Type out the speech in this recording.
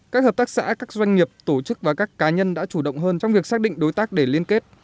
các hợp tác xã các doanh nghiệp tổ chức và các cá nhân đã chủ động hơn trong việc xác định đối tác để liên kết